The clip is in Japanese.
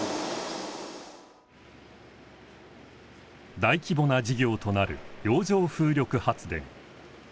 大規模な事業となる洋上風力発電。